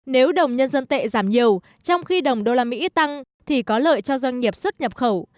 nếu đồng nhân dân tệ giảm nhiều trong khi đồng đô la mỹ tăng thì có lợi cho doanh nghiệp xuất nhập khẩu